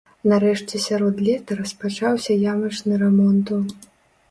Нарэшце сярод лета распачаўся ямачны рамонту.